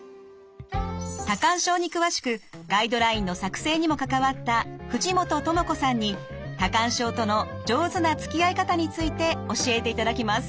多汗症に詳しくガイドラインの作成にも関わった藤本智子さんに多汗症との上手なつきあい方について教えていただきます。